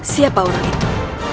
siapa orang itu